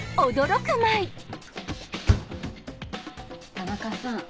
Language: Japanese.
田中さん